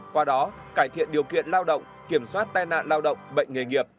qua đó cải thiện điều kiện lao động kiểm soát tai nạn lao động bệnh nghề nghiệp